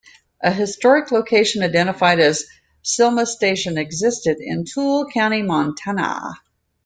A historic location identified as "Simla Station" existed in Toole County, Montana.